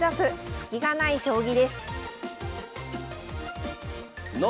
スキがない将棋」です